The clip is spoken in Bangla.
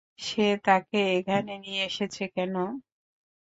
সে তাকে এখানে নিয়ে এসেছে কেন?